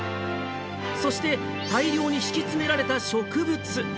そして、大量に敷き詰められた植物。